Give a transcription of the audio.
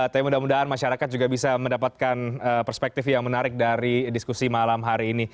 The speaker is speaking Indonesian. tapi mudah mudahan masyarakat juga bisa mendapatkan perspektif yang menarik dari diskusi malam hari ini